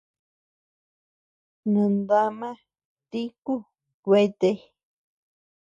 Nandama tíku kuete.